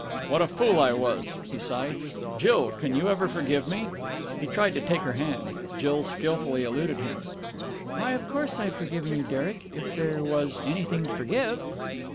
"What a fool I was!" he sighed. "Jill! Can you ever forgive me?" He tried to take her hand. Jill skilfully eluded him. "Why, of course I've forgiven you, Derek, if there was, anything to forgive."